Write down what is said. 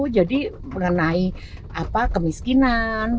jadi mengenai kemiskinan